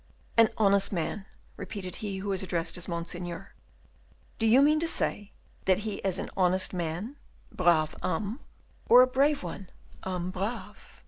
"An honest man," repeated he who was addressed as Monseigneur; "do you mean to say that he is an honest man (brave homme), or a brave one (homme brave)?"